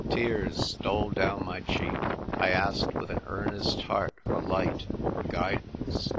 Tears stole down my cheek. I asked with an earnest heart for light, for guidance.